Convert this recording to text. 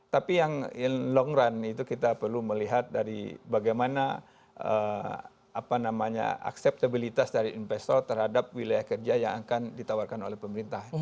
tapi yang long run itu kita perlu melihat dari bagaimana akseptabilitas dari investor terhadap wilayah kerja yang akan ditawarkan oleh pemerintah